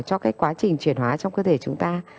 cho cái quá trình chuyển hóa trong cơ thể chúng ta